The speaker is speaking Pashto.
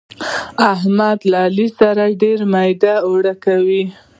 احمد له علي سره ډېر ميده اوړه کوي.